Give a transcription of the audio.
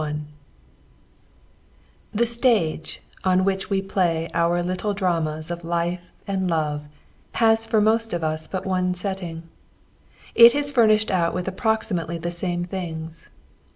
I The stage on which we play our little dramas of life and love has for most of us but one setting. It is furnished out with approximately the same things.